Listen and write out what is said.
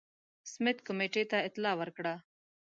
سمیت کمېټې ته اطلاع ورکړه.